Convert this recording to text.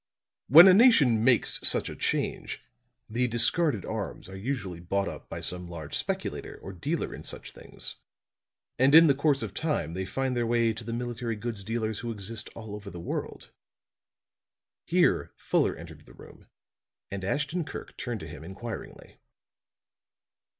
"When a nation makes such a change, the discarded arms are usually bought up by some large speculator or dealer in such things. And in the course of time they find their way to the military goods dealers who exist all over the world." Here Fuller entered the room, and Ashton Kirk turned to him inquiringly.